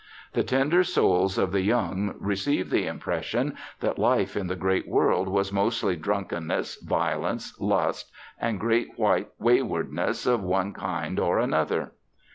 The tender souls of the young received the impression that life in the great world was mostly drunkenness, violence, lust, and Great White Waywardness of one kind or another.